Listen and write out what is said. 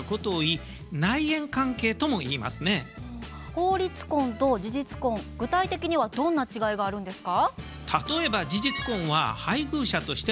法律婚と事実婚具体的にはどんな違いがあるんですか？